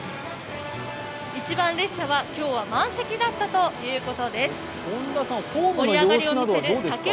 一番列車は今日は満席だったということです。